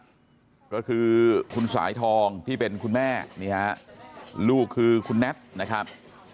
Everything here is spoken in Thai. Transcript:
ลูกนะครับก็คือคุณสายทองที่เป็นคุณแม่ลูกคือคุณแน็ตนะครับ